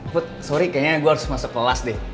food sorry kayaknya gue harus masuk kelas deh